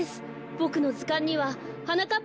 ボクのずかんにははなかっ